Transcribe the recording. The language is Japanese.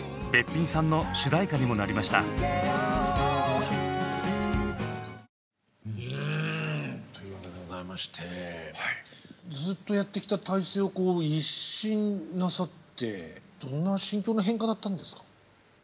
うんということでございましてずっとやってきた体制を一新なさってどんな心境の変化だったんですか？